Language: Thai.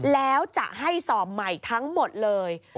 แล้วจะให้สอบใหม่ทั้งหมดเลย